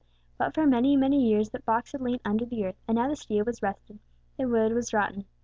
But for many, many years that box had lain under the earth, and now the steel was rusted, the wood was rotten.